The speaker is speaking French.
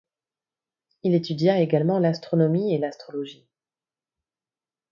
Il étudia également l'astronomie et l'astrologie.